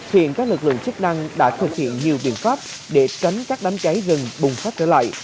hiện các lực lượng chức năng đã thực hiện nhiều biện pháp để tránh các đám cháy rừng bùng phát trở lại